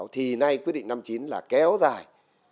thì nay quyết định năm mươi chín là kéo dài